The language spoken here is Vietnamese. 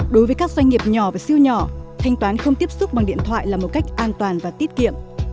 đối với các doanh nghiệp nhỏ và siêu nhỏ thanh toán không tiếp xúc bằng điện thoại là một cách an toàn và tiết kiệm